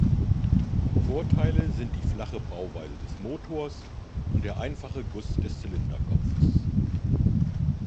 Vorteile sind die flache Bauweise des Motors und der einfache Guss des Zylinderkopfes.